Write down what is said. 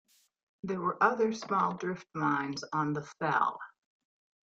There were other small drift mines on the fell.